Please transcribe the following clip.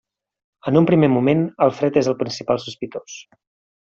En un primer moment, Alfred és el principal sospitós.